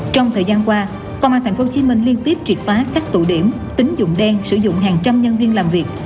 trong thời gian qua công an tp hcm liên tiếp triệt phá các tụ điểm tính dụng đen sử dụng hàng trăm nhân viên làm việc